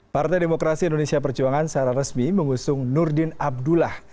partai demokrasi indonesia perjuangan secara resmi mengusung nurdin abdullah